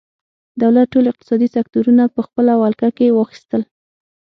دولت ټول اقتصادي سکتورونه په خپله ولکه کې واخیستل.